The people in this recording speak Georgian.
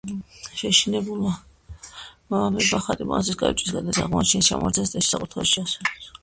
შეშინებულმა მამებმა ხატი მონასტრის კარიბჭის კედელზე აღმოაჩინეს, ჩამოაბრძანეს და ისევ საკურთხეველში შეასვენეს.